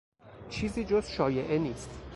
چیزی جز شایعه نیست.